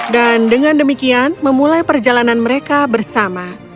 dan dengan demikian memulai perjalanan mereka bersama